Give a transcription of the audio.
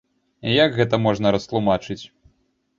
Як гэта можна растлумачыць?